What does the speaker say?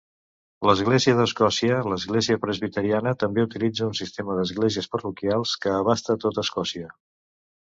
L'església d'Escòcia, l'església presbiteriana, també utilitza un sistema d'esglésies parroquials que abasta tota Escòcia.